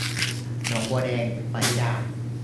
หนองบัวแดง - ปณิดา